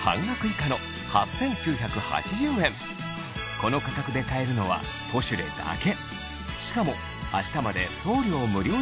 この価格で買えるのは『ポシュレ』だけ！